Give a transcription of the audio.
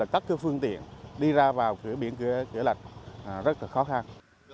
cái phương tiện đi ra vào cửa biển cửa lạch rất là khó khăn